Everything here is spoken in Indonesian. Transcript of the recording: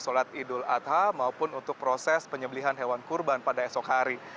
sholat idul adha maupun untuk proses penyembelihan hewan kurban pada esok hari